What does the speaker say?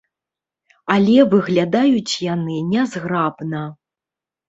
Але выглядаюць яны нязграбна.